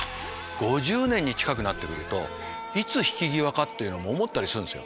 ５０年に近くなってくるといつ引き際かっていうの思ったりするんですよ。